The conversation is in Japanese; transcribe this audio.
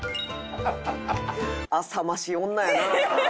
浅ましい女やな。